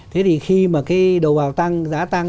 thế thì khi mà cái đầu vào tăng giá tăng